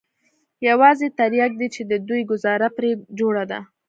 يوازې ترياک دي چې د دوى گوزاره پرې جوړه ده.